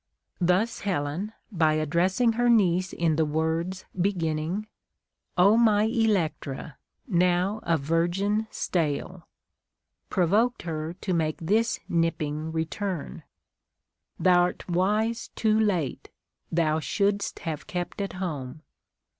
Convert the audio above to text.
Tbus Helen, by addressing her niece in the words beginning, — Ο my Electra, now a virgin stale, provoked her to make this nipping return :— Thou'rt wise too late, thou sliouldst have kept at home.